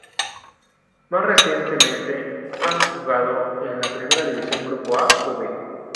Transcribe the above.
Más recientemente han jugado en la Primera División Grupo "A" o "B".